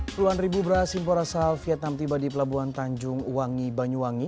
puluhan ribu beras impor asal vietnam tiba di pelabuhan tanjung wangi banyuwangi